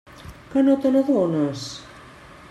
Que no te n'adones?